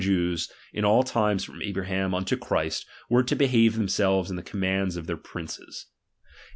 Jews, in all times from Abraham unto Christ, were ,'~~^ to behave themselves in the commands of their 'I'd df nw "fi^ princes.